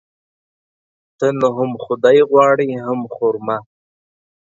ته نو هم خداى غواړي ،هم خر ما.